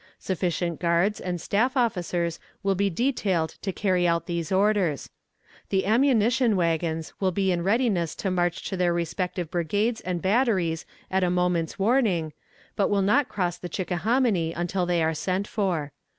Sufficient guards and staff officers will be detailed to carry out these orders. The ammunition wagons will be in readiness to march to their respective brigades and batteries at a moment's warning, but will not cross the Chickahominy until they are sent for.